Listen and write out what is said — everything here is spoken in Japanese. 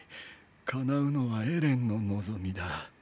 叶うのはエレンの望みだ。